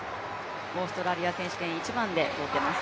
オーストラリア選手権１番で通ってます。